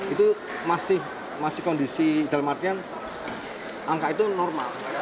itu masih kondisi dalam artian angka itu normal